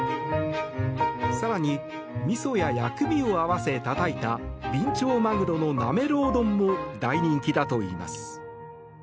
更に、みそや薬味を合わせたたいたビンチョウマグロのなめろう丼も大人気だといいます。